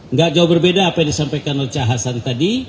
nggak jauh berbeda apa yang disampaikan oleh cak hasan tadi